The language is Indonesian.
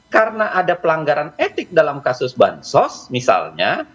karena ada pelanggaran etik dalam kasus bansos misalnya